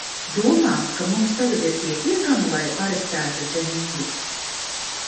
Domā, ka mums tagad ir pietiekami, lai arestētu Dženingu?